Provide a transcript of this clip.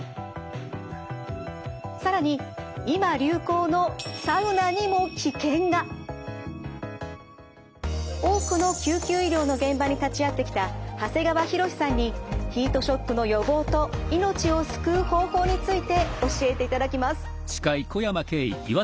更に今流行の多くの救急医療の現場に立ち会ってきた長谷川浩さんにヒートショックの予防と命を救う方法について教えていただきます。